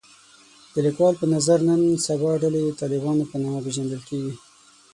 د لیکوال په نظر نن سبا ډلې د طالبانو په نامه پېژندل کېږي